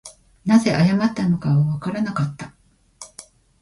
何故謝ったのかはわからなかった